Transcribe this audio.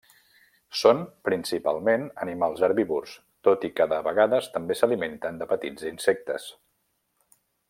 Són principalment animals herbívors, tot i que, de vegades, també s'alimenten de petits insectes.